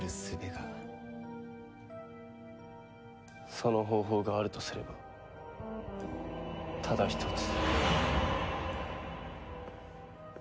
その方法があるとすればただ一つ。